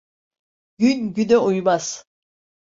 Gün güne uymaz.